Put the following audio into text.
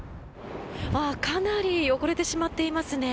かなり汚れてしまっていますね。